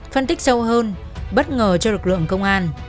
phân tích sâu hơn bất ngờ cho lực lượng công an